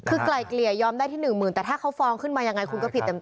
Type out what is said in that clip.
คือไกลเกลี่ยยอมได้ที่หนึ่งหมื่นแต่ถ้าเขาฟ้องขึ้นมายังไงคุณก็ผิดเต็ม